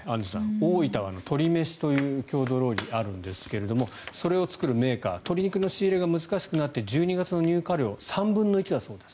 大分は鶏めしという郷土料理があるんですがそれを作るメーカー鶏肉の仕入れが難しくなって１２月の入荷量３分の１だそうです。